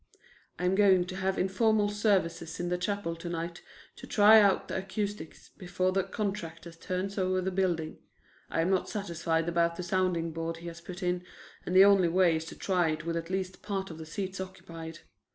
"I'm going to have informal services in the chapel to night to try out the acoustics before the contractor turns over the building. I am not satisfied about the sounding board he has put in, and the only way is to try it with at least part of the seats occupied.